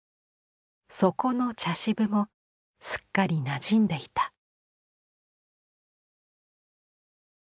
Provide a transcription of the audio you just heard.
底の茶渋もすっかりなじんでいた。